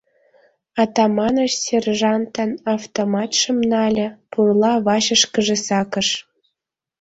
Атаманыч сержантын автоматшым нале, пурла вачышкыже сакыш.